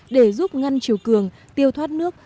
để giúp ngăn chiều cường tiêu thoát nước